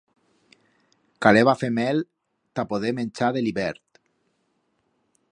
Caleba fer mel ta poder menchar de l'hibert.